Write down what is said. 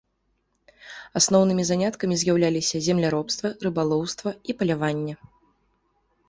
Асноўнымі заняткамі з'яўляліся земляробства, рыбалоўства і паляванне.